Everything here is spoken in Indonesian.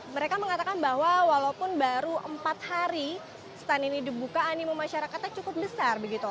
mereka mengatakan bahwa walaupun baru empat hari stand ini dibuka animum masyarakatnya cukup besar begitu